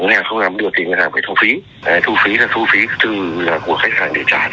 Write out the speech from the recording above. ngân hàng không làm được thì ngân hàng phải thu phí thu phí là thu phí từ của khách hàng để trả cho nhà mạng